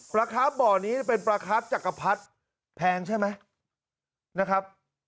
ครับบ่อนี้เป็นปลาครับจักรพรรดิแพงใช่ไหมนะครับ